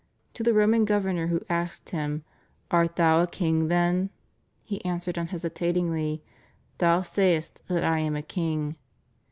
To the Roman governor who asked Him, Art Thou a king, then f He answered imhesitatingly. Thou say est that I am a king.